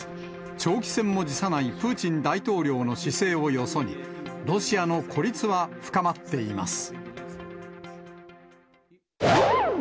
長期戦も辞さないプーチン大統領の姿勢をよそに、ロシアの孤立は深まっています。